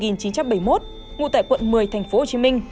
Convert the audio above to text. ngụ tại quận một mươi tp hcm